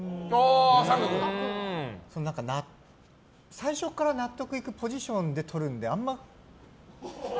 最初から納得いくポジションで撮るので。